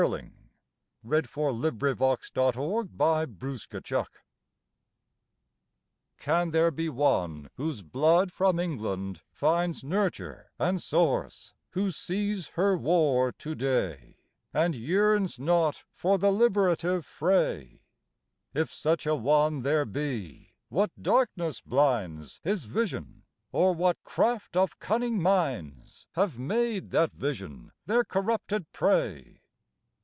161 ON THE GREAT WAR CIVILIZATION AT BAY Can there be one whose blood from England finds Nurture and s^ource, who sees her war to day And yearns not for the liberative fray? If such a one there be, what darkness blinds. His vision, or what craft of cunning minds Have made that vision their corrupted prey?